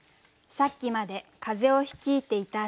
「さっきまで風を率いていた脚」